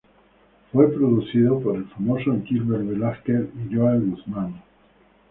Fue producido por el famoso Gilbert Velásquez y Joel Guzmán.